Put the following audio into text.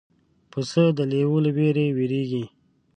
پسه د لیوه له وېرې وېرېږي.